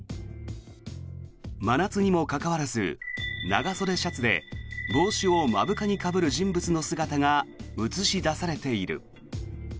真夏にもかかわらず長袖シャツで帽子を目深にかぶる人物の姿が映し出されている。